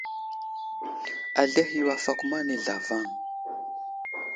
Azlehi yo afakoma nay zlavaŋ.